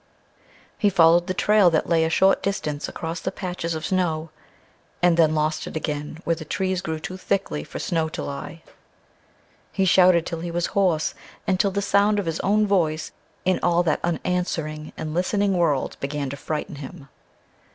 He followed the trail that lay a short distance across the patches of snow, and then lost it again where the trees grew too thickly for snow to lie. He shouted till he was hoarse, and till the sound of his own voice in all that unanswering and listening world began to frighten him.